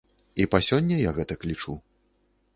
І па сёння я гэтак лічу.